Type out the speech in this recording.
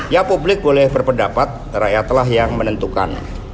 ya publik boleh berpendapat rakyatlah yang menentukan